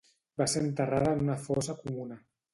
Va ser enterrada en una fossa comuna.